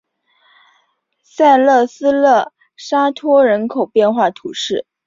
萨勒斯勒沙托人口变化图示